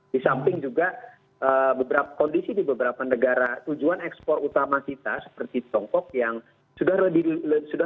di samping juga beberapa kondisi di beberapa negara tujuan ekspor utama kita seperti tiongkok yang sudah lebih dulu